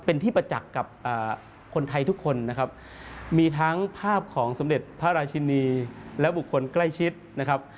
เป็นที่ประจักษ์กับคนไทยทุกคนนะครับมีทั้งภาพของสมเด็จพระราชินีและบุคคลใกล้ชิดนะครับ